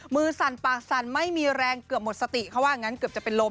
สั่นปากสั่นไม่มีแรงเกือบหมดสติเขาว่างั้นเกือบจะเป็นลม